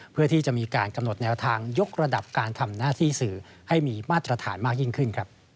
เพื่อที่จะมีการกำหนดแนวทางยกระดับการทำหน้าที่สื่อให้มีมาตรฐานมากยิ่งขึ้น